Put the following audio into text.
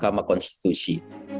di mahkamah konstitusi